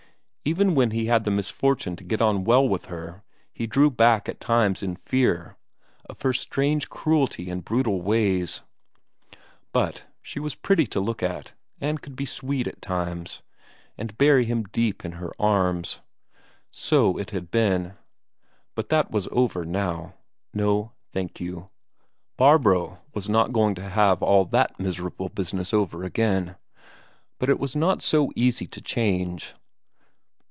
Even when he had the misfortune to get on well with her he drew back at times in fear of her strange cruelty and brutal ways; but she was pretty to look at, and could be sweet at times, and bury him deep in her arms. So it had been but that was over now. No, thank you Barbro was not going to have all that miserable business over again. But it was not so easy to change....